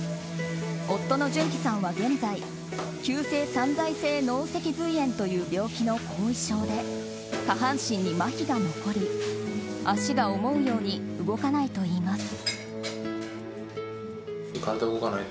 夫の潤熙さんは現在急性散在性脳脊髄炎という病気の後遺症で下半身にまひが残り足が思うように動かないといいます。